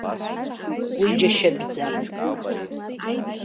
Уи џьашьатәӡам.